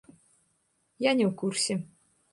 Я не ў курсе.